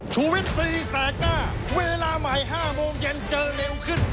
ชูวิตตีแสกหน้าเวลาใหม่๕โมงเย็นเจอเร็วขึ้น